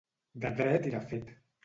De dret i de fet.